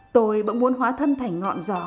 tôi bỗng muốn hóa thân thành ngọn gió